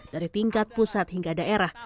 dari tingkat pusat hingga daerah